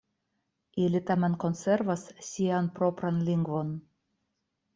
Ili tamen konservas sian propran lingvon.